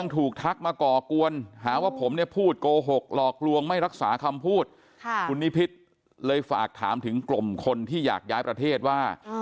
ถูกทักมาก่อกวนหาว่าผมเนี่ยพูดโกหกหลอกลวงไม่รักษาคำพูดคุณนิพิษเลยฝากถามถึงกลุ่มคนที่อยากย้ายประเทศว่า